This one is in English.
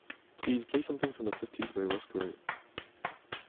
Please play something from the fifties by Roscoe